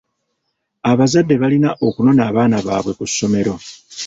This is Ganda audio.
Abazadde balina okunona abaana baabwe ku ssomero.